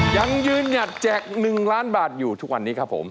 ยังยืนหยัดแจก๑ล้านบาทอยู่ทุกวันนี้ครับผม